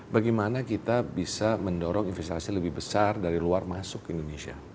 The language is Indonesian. bagaimana kita bisa mendorong investasi lebih besar dari luar masuk ke indonesia